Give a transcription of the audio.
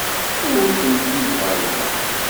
Awit-tent-id ɣer da.